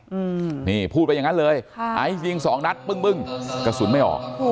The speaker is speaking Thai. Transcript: อืมนี่พูดไปอย่างนั้นเลยค่ะไอซ์ยิงสองนัดปึ้งปึ้งกระสุนไม่ออก